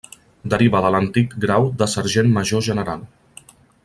Deriva de l'antic grau de Sergent Major General.